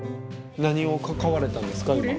何を買われたんですか？